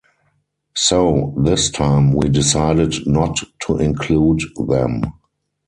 So this time we decided not to include them.